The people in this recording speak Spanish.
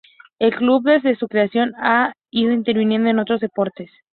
El club, desde su creación, ha ido invirtiendo en otros deportes.